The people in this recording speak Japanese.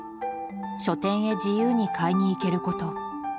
書店へ自由に買いに行けること。